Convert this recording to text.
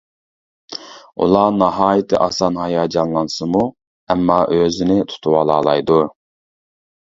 ئۇلار ناھايىتى ئاسان ھاياجانلانسىمۇ، ئەمما ئۆزىنى تۇتۇۋالالايدۇ.